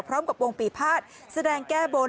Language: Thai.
พร้อมกับวงปีภาษแสดงแก้บน